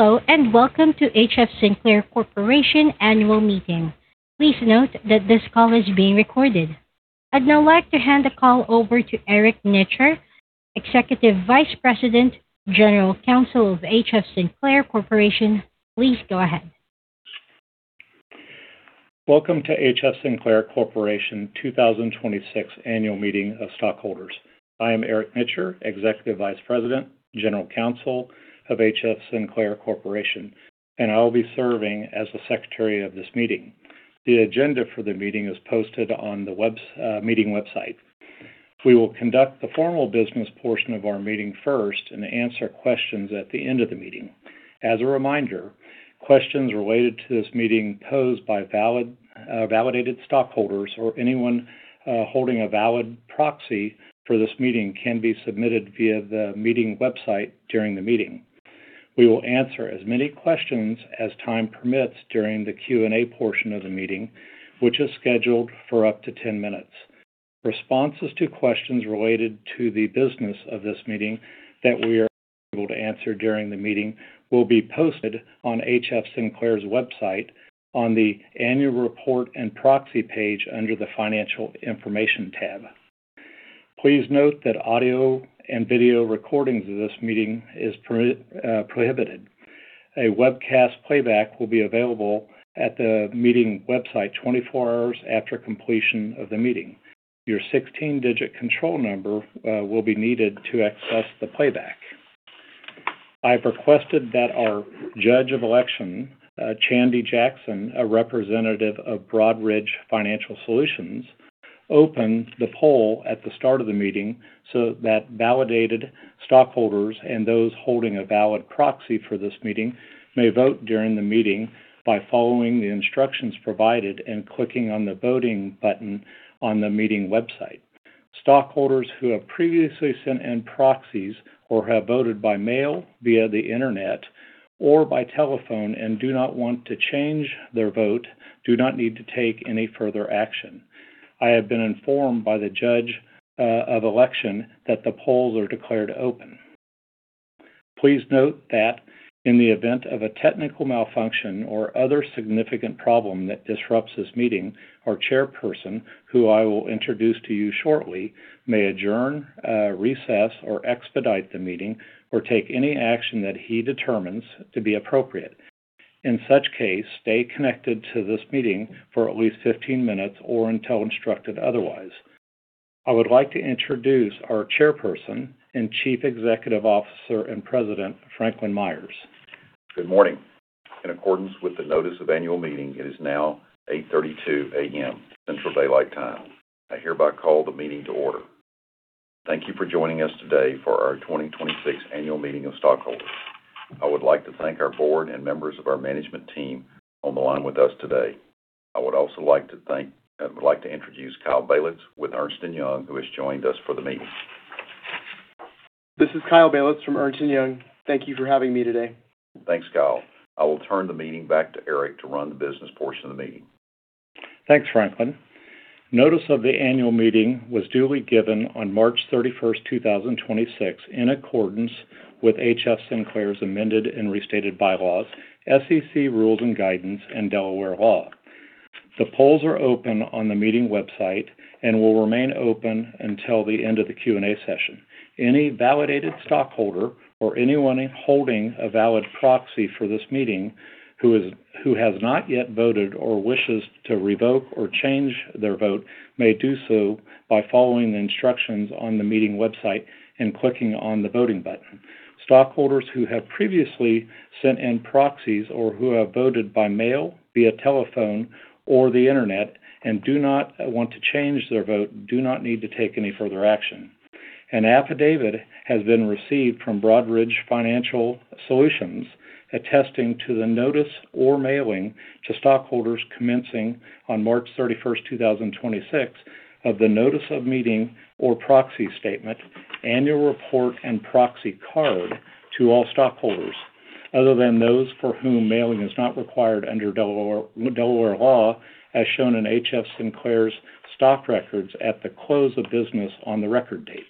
Hello and welcome to HF Sinclair Corporation annual meeting. Please note that this call is being recorded. I'd now like to hand the call over to Eric L. Nitcher, Executive Vice President, General Counsel of HF Sinclair Corporation. Please go ahead. Welcome to HF Sinclair Corporation 2026 Annual Meeting of Stockholders. I am Eric L. Nitcher, Executive Vice President, General Counsel of HF Sinclair Corporation, and I will be serving as the secretary of this meeting. The agenda for the meeting is posted on the meeting website. We will conduct the formal business portion of our meeting first and answer questions at the end of the meeting. As a reminder, questions related to this meeting posed by valid, validated stockholders or anyone holding a valid proxy for this meeting can be submitted via the meeting website during the meeting. We will answer as many questions as time permits during the Q&A portion of the meeting, which is scheduled for up to 10 minutes. Responses to questions related to the business of this meeting that we are unable to answer during the meeting will be posted on HF Sinclair's website on the annual report and proxy page under the Financial Information tab. Please note that audio and video recordings of this meeting is prohibited. A webcast playback will be available at the meeting website 24 hours after completion of the meeting. Your 16-digit control number will be needed to access the playback. I've requested that our Judge of Election, Chandi Jackson, a representative of Broadridge Financial Solutions, open the poll at the start of the meeting so that validated stockholders and those holding a valid proxy for this meeting may vote during the meeting by following the instructions provided and clicking on the Voting button on the meeting website. Stockholders who have previously sent in proxies or have voted by mail via the Internet or by telephone and do not want to change their vote do not need to take any further action. I have been informed by the Judge of Election that the polls are declared open. Please note that in the event of a technical malfunction or other significant problem that disrupts this meeting, our Chairperson, who I will introduce to you shortly, may adjourn, recess, or expedite the meeting or take any action that he determines to be appropriate. In such case, stay connected to this meeting for at least 15 minutes or until instructed otherwise. I would like to introduce our Chairperson and Chief Executive Officer and President, Franklin Myers. Good morning. In accordance with the notice of annual meeting, it is now 8:32 A.M. Central Daylight Time. I hereby call the meeting to order. Thank you for joining us today for our 2026 Annual Meeting of Stockholders. I would like to thank our board and members of our management team on the line with us today. I would like to introduce Kyle Belitz with Ernst & Young, who has joined us for the meeting. This is Kyle Belitz from Ernst & Young. Thank you for having me today. Thanks, Kyle. I will turn the meeting back to Eric to run the business portion of the meeting. Thanks, Franklin. Notice of the annual meeting was duly given on March 31st, 2026, in accordance with HF Sinclair's amended and restated bylaws, SEC rules and guidance, and Delaware law. The polls are open on the meeting website and will remain open until the end of the Q&A session. Any validated stockholder or anyone holding a valid proxy for this meeting who has not yet voted or wishes to revoke or change their vote may do so by following the instructions on the meeting website and clicking on the Voting button. Stockholders who have previously sent in proxies or who have voted by mail, via telephone, or the Internet and do not want to change their vote do not need to take any further action. An affidavit has been received from Broadridge Financial Solutions attesting to the notice or mailing to stockholders commencing on March 31st, 2026, of the notice of meeting or proxy statement, annual report and proxy card to all stockholders other than those for whom mailing is not required under Delaware law, as shown in HF Sinclair's stock records at the close of business on the record date.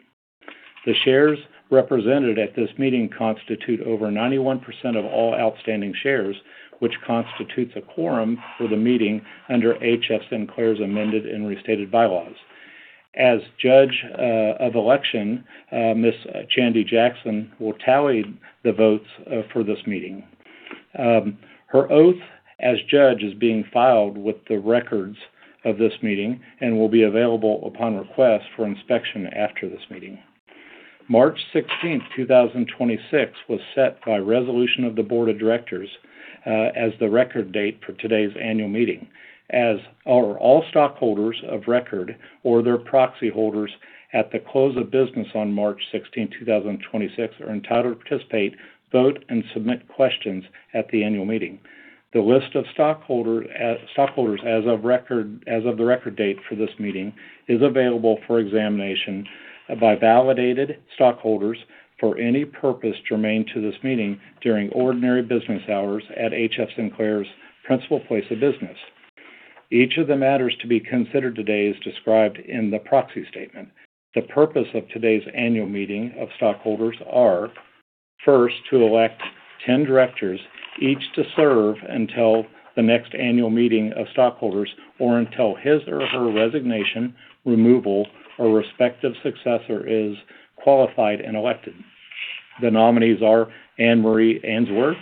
The shares represented at this meeting constitute over 91% of all outstanding shares, which constitutes a quorum for the meeting under HF Sinclair's amended and restated bylaws. As Judge of Election, Ms. Chandi Jackson will tally the votes for this meeting. Her oath as judge is being filed with the records of this meeting and will be available upon request for inspection after this meeting. March 16, 2026, was set by resolution of the board of directors, as the record date for today's annual meeting, as are all stockholders of record or their proxy holders at the close of business on March 16, 2026, are entitled to participate, vote, and submit questions at the annual meeting. The list of stockholders as of record as of the record date for this meeting is available for examination by validated stockholders for any purpose germane to this meeting during ordinary business hours at HF Sinclair's principal place of business. Each of the matters to be considered today is described in the proxy statement. The purpose of today's annual meeting of stockholders are: first, to elect 10 directors, each to serve until the next annual meeting of stockholders or until his or her resignation, removal, or respective successor is qualified and elected. The nominees are Anne-Marie Ainsworth,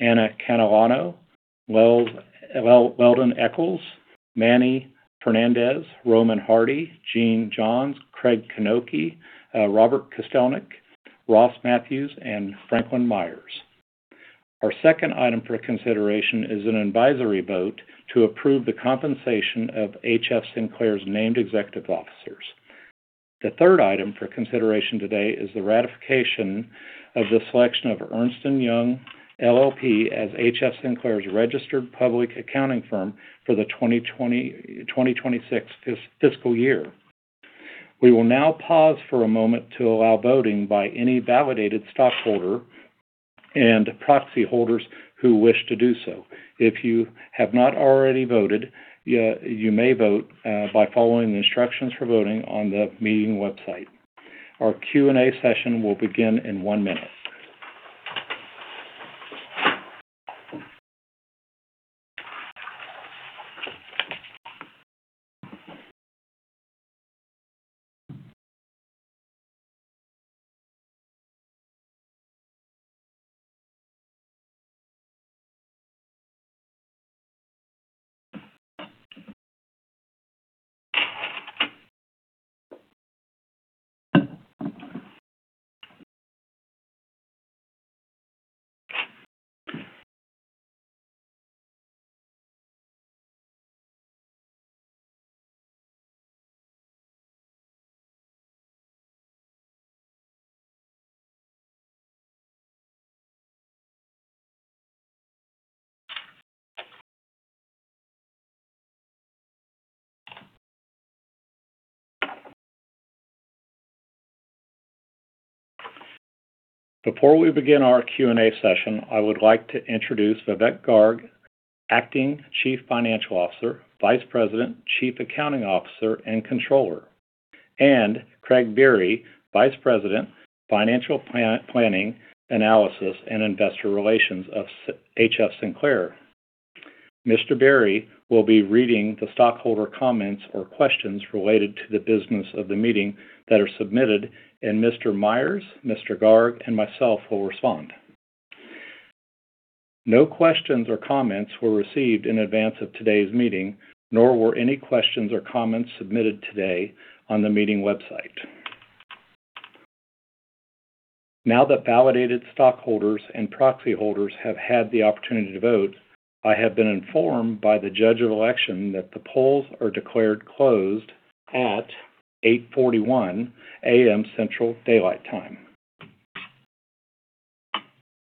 Anna Catalano, Leldon Echols, Manuel Fernandez, Rhoman J. Hardy, Jeanne Johns, R. Craig Knocke, Robert J. Kostelnik, Ross B. Matthews, and Franklin Myers. Our second item for consideration is an advisory vote to approve the compensation of HF Sinclair's named executive officers. The third item for consideration today is the ratification of the selection of Ernst & Young LLP as HF Sinclair's registered public accounting firm for the 2026 fiscal year. We will now pause for a moment to allow voting by any validated stockholder and proxy holders who wish to do so. If you have not already voted, you may vote by following the instructions for voting on the meeting website. Our Q&A session will begin in 1 minute. Before we begin our Q&A session, I would like to introduce Vivek Garg, Acting Chief Financial Officer, Vice President, Chief Accounting Officer, and Controller, and Craig Biery, Vice President, Financial Planning, Analysis, and Investor Relations of HF Sinclair. Mr. Biery will be reading the stockholder comments or questions related to the business of the meeting that are submitted, and Mr. Myers, Mr. Garg, and myself will respond. No questions or comments were received in advance of today's meeting, nor were any questions or comments submitted today on the meeting website. Now that validated stockholders and proxy holders have had the opportunity to vote, I have been informed by the Judge of Election that the polls are declared closed at 8:41 A.M. Central Daylight Time.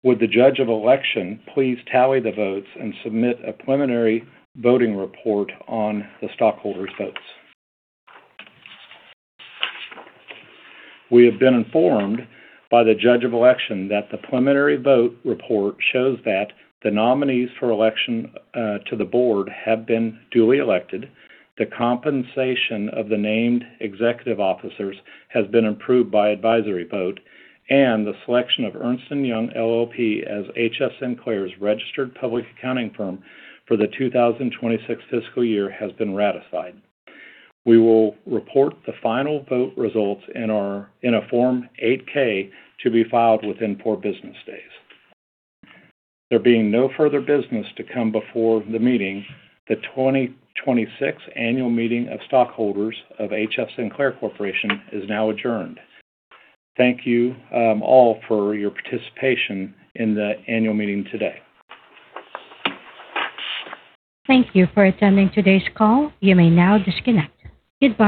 Would the Judge of Election please tally the votes and submit a preliminary voting report on the stockholders' votes? We have been informed by the Judge of Election that the preliminary vote report shows that the nominees for election to the board have been duly elected, the compensation of the named executive officers has been approved by advisory vote, and the selection of Ernst & Young LLP as HF Sinclair's registered public accounting firm for the 2026 fiscal year has been ratified. We will report the final vote results in a Form 8-K to be filed within 4 business days. There being no further business to come before the meeting, the 2026 annual meeting of stockholders of HF Sinclair Corporation is now adjourned. Thank you all for your participation in the annual meeting today. Thank you for attending today's call. You may now disconnect. Goodbye.